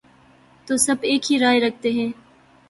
تو سب ایک ہی رائے رکھتے ہیں۔